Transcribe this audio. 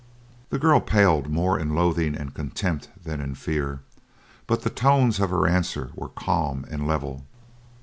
The girl paled, more in loathing and contempt than in fear, but the tones of her answer were calm and level.